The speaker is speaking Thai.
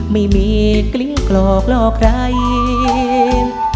ไม่มีกลิ้งกรอกหลอกใคร